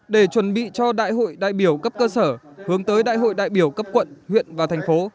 để chuẩn bị cho đại hội đại biểu cấp cơ sở hướng tới đại hội đại biểu cấp quận huyện và thành phố